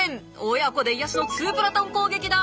親子で癒やしのツープラトン攻撃だ！